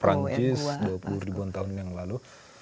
prancis dua puluh tahun yang lalu